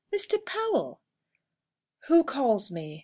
Mr. Powell!" "Who calls me?"